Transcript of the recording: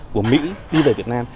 của mỹ đi về việt nam